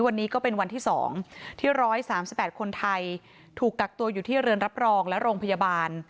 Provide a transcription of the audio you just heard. วันนี้ก็เป็นวันที่๒ที่๑๓๘คนไทยถูกกักตัวอยู่ที่เรือนรับรองและโรงพยาบาล